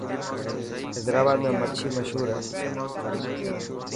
حيدرآباد ۾ مڇي مشهور هي.